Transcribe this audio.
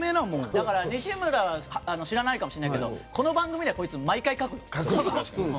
だから、西村は知らないかもしれないけどこの番組では、こいつ毎回書くんだよ、沙莉って。